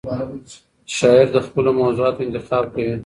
شاعر د خپلو موضوعاتو انتخاب کوي.